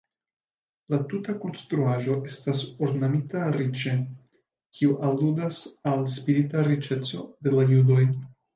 La tuta konstruaĵo estas ornamita riĉe, kiu aludas al spirita riĉeco de la judoj.